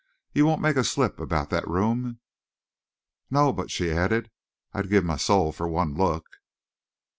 You won't make a slip about that room?" "No." But she added: "I'd give my soul for one look!"